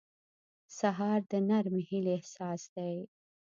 سهار د نرمې هیلې احساس دی.